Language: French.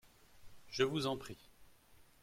Je vous en prie.